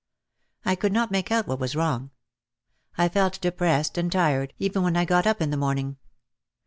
I could not make out what was wrong. I felt depressed and tired even when I got up in the morning.